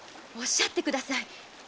おっしゃってください！